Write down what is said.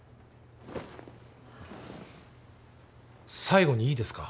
最後にいいですか？